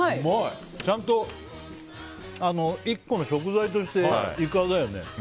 ちゃんと、１個の食材としてイカだよね。